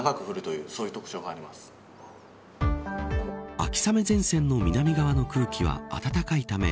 秋雨前線の南側の空気は暖かいため